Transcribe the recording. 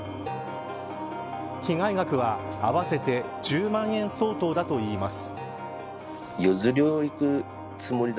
被害額は、合わせて１０万円相当だといいます。